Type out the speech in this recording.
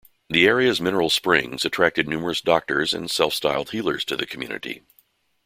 The area's mineral springs attracted numerous doctors and self-styled healers to the community.